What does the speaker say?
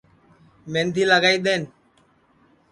مہندی لگائی دؔین